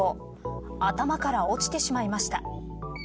頭から落ちてしまいました。